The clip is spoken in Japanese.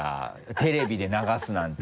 テレビで流すなんて。